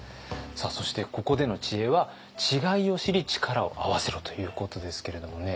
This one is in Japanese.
さあそしてここでの知恵は「違いを知り力を合わせろ」ということですけれどもね。